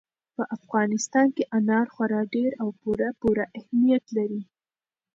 په افغانستان کې انار خورا ډېر او پوره پوره اهمیت لري.